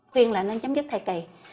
khuyên là nên chấm dứt thầy kỳ